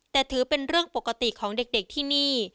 แต่ถือเป็นเรื่องปกติของเด็กที่นี่